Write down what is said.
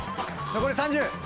残り３０。